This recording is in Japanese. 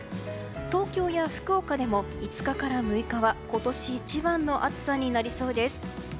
東京や福岡でも５日から６日は今年一番の暑さになりそうです。